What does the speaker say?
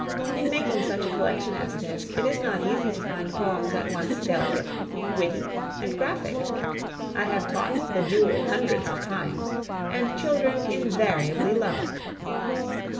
In making such a collection as this it is not easy to find poems at once delicate, witty, and graphic. I have taught "The Duel" hundreds of times, and children invariably love it.